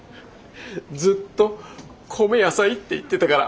ずっと「米野菜」って言ってたから。